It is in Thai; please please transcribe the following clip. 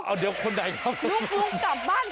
เอาเดี๋ยวคนไหนกับ